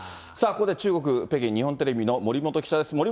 さあここで中国・北京、日本テレビの森本記者です。